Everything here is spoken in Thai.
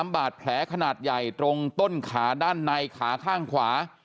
บาดแผลขนาดใหญ่ตรงต้นขาด้านในขาข้างขวา